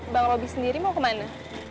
bang roby sendiri mau kemana